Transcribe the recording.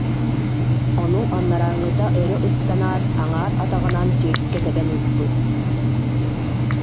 Ону анарааҥҥыта өрө ыстанаат, аҥаар атаҕынан түөскэ тэбэн ыыппыт